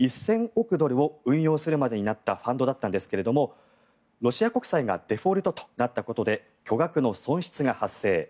１０００億ドルを運用するまでになったファンドだったんですがロシア国債がデフォルトとなったことで巨額の損失が発生。